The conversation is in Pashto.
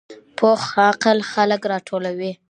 پوخ عقل خلک راټولوي